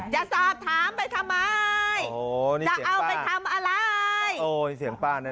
อย่าสอบถามไปทำไมอยากเอาไปทำอะไร